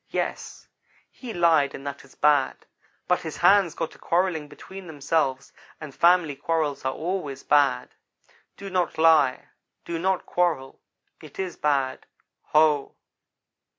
Yes he lied and that is bad, but his hands got to quarrelling between themselves, and family quarrels are always bad. Do not lie; do not quarrel. It is bad. Ho!"